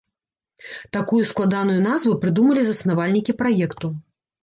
Такую складаную назву прыдумалі заснавальнікі праекту.